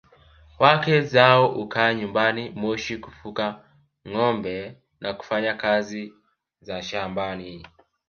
Wake zao hukaa nyumbani Moshi kufuga ngombe na kufanya kazi za shambani